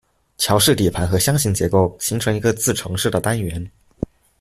桥式底盘和箱形结构形成一个自承式的单元。